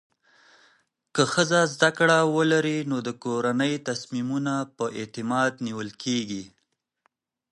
که ښځه زده کړه ولري، نو د کورنۍ تصمیمونه په اعتماد نیول کېږي.